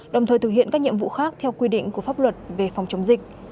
đồng thời thực hiện các nhiệm vụ khác theo quy định của pháp luật về phòng chống dịch